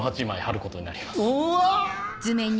うわ！